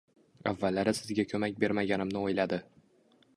Avvallari sizga koʻmak bermaganimni oʻyladi.